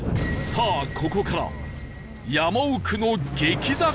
さあここから山奥の激坂に突入